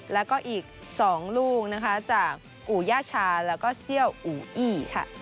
แล้วก็อีก๒ลูกจากอู่ย่าชาแล้วก็เชี่ยวอู่อี้